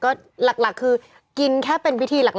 ก็หลักคือกินแค่เป็นวิธีหลัก